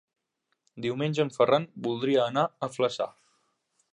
Diumenge en Ferran voldria anar a Flaçà.